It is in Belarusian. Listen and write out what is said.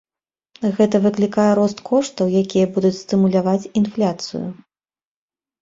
Гэта выклікае рост коштаў, якія будуць стымуляваць інфляцыю.